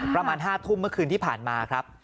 ประมาณ๕ทุ่มเมื่อคืนที่ผ่านมาครับ